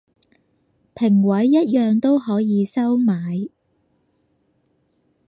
評委一樣都可以收買